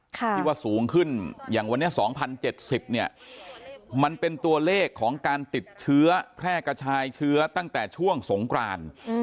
ที่ว่าสูงขึ้นอย่างวันนี้๒๐๗๐เนี่ยมันเป็นตัวเลขของการติดเชื้อแพร่กระชายเชื้อตั้งแต่ช่วงสงกราน